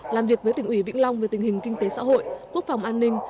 làm việc với tỉnh ủy vĩnh long về tình hình kinh tế xã hội quốc phòng an ninh